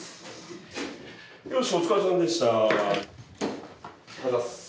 よしお疲れさまでした。